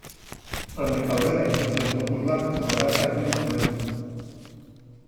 Handik aurrera ikusleen kopuruak goraka egin zuen.